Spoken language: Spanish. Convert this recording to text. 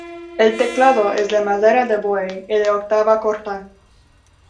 El teclado es de madera de boj y de octava corta.